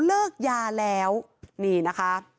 เลิกยาแล้วนี่นะคะ